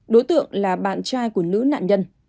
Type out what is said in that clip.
đối tượng là bạn trai của nữ nạn nhân